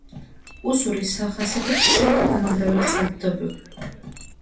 უსურის ახასიათებს ხშირი და დამანგრეველი წყალდიდობები.